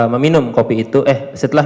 meminum kopi itu eh setelah